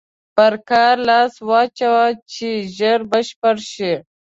پر کار لاس واچوه چې ژر بشپړ شي.